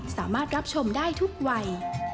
สามารถรับชมได้ทุกวัย